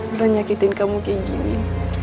udah nyakitin kamu kayak gini